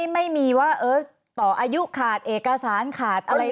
ไม่มีว่าต่ออายุขาดเอกสารขาดอะไร